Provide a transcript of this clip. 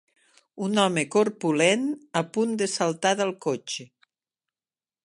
Un home corpulent a punt de saltar del cotxe.